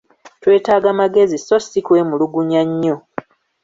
Twetaaga magezi sso si kwemulugunya nnyo.